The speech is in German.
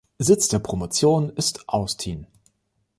Sitz der Promotion ist Austin.